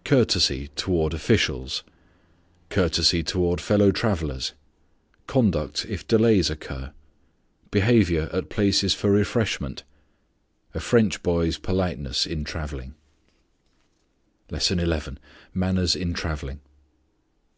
_ Courtesy toward officials. Courtesy toward fellow travellers. Conduct if delays occur. Behavior at places for refreshment. A French boy's politeness in travelling. LESSON XI. MANNERS IN TRAVELLING.